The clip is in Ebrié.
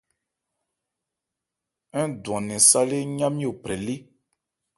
Ń dwan nnɛn sâlé ńyá-nmí ophrɛ lé.